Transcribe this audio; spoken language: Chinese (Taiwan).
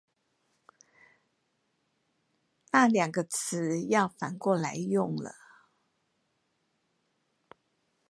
那兩個詞要反過來用了